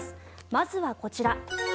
まずはこちら。